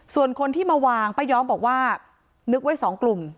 ส่วนคนที่มาวางป้าย้อมบอกว่านึกไว้สองกลุ่ม